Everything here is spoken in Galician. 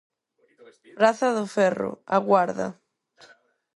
Praza do Ferro, A Guarda.